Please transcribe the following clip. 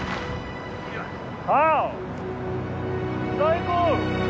最高！